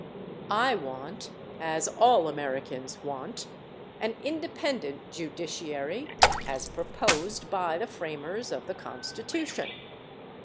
I want as all Americans want an independent judiciary as proposed by the framers of the Constitution.